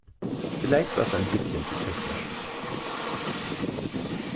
Vielleicht war es ein bisschen zu technisch.